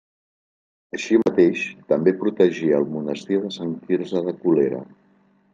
Així mateix també protegí el monestir de Sant Quirze de Colera.